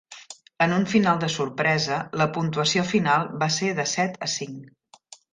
En un final de sorpresa, la puntuació final va ser de set a cinc.